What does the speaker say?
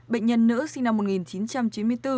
bệnh nhân nữ sinh năm một nghìn chín trăm chín mươi bốn